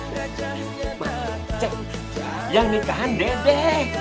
mak cek yang nikahan dede